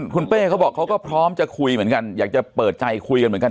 คุณเป้เขาบอกเขาก็พร้อมจะคุยเหมือนกันอยากจะเปิดใจคุยกันเหมือนกัน